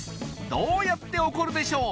どうやって怒るでしょう